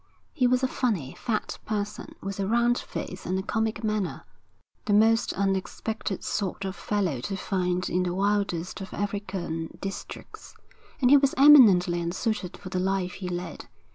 He was a funny, fat person with a round face and a comic manner, the most unexpected sort of fellow to find in the wildest of African districts; and he was eminently unsuited for the life he led.